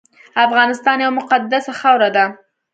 افغانستان یوه مقدسه خاوره ده